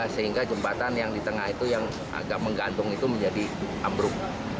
sehingga jembatan yang di tengah itu yang agak menggantung itu menjadi ambruk